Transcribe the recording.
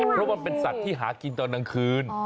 เพราะว่าเป็นสัตว์ที่หากินตอนกลางคืน